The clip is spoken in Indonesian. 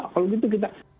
kalau gitu kita